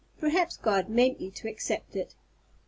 Perhaps God meant you to accept it."